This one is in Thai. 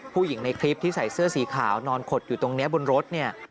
ผู้หญิงในคลิปที่ใส่เสื้อสีขาวนอนขดอยู่ตรงนี้บนรถเนี่ย